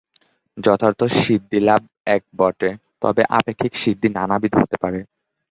যথার্থ সিদ্ধিলাভ এক বটে, তবে আপেক্ষিক সিদ্ধি নানাবিধ হতে পারে।